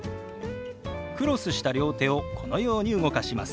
クロスした両手をこのように動かします。